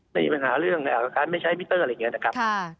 ไม่มีปัญหาเรื่องการไม่ใช้มิเตอร์อะไรอย่างนี้นะครับ